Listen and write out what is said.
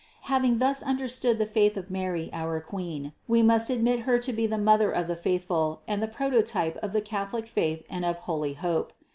Having thus understood the faith of Mary our Queen, we must admit Her to be the Mother of the faithful and the prototype of the Catholic faith and of holy hope.